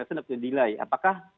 harus didilai apakah